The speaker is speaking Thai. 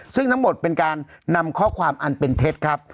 ซึ่งทั้งหมดเป็นการนำข้อความอันเป็นเท็จครับ